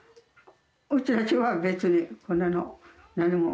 うちたちは別にこんなの何も思わん。